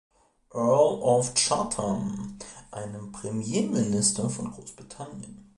Earl of Chatham, einem Premierminister von Großbritannien.